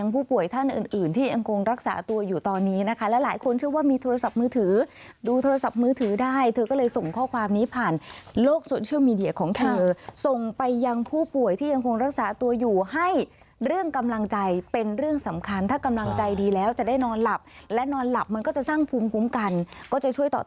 ผู้ป่วยจะจิตตกได้ง่ายแบบพารานอยได้ง่าย